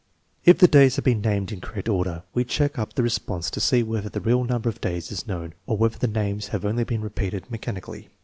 If the days have been named in correct order, we check up the response to see whether the real order of days is known or whether the names have only been repeated me chanically.